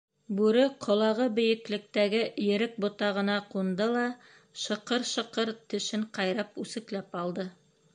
Бүре ҡолағы бейеклектәге ерек ботағына ҡунды ла, шыҡыр-шыҡыр тешен ҡайрап, үсекләп алды.